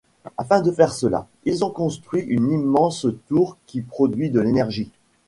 Afin de faire cela, ils ont construit une immense tour qui produit de l'énergie.